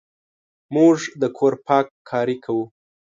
موږ د کور پاککاري کوو.